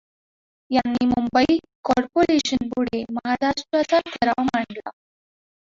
यांनी मुंबई कॉपोर्रेशनपुढे महाराष्ट्राचा ठराव मांडला.